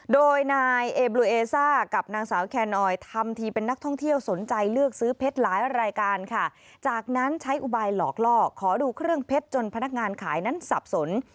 โดยนายเอบลูเอซ่ากับนางสาวแคนออยทำทีเป็นนักท่องเที่ยวสนใจเลือกซื้อเพชรหลายรายการค่ะจากนั้นใช้อุบายหลอกล่อขอดูเครื่องเพชรจนพนักงานขายนั้นสับสน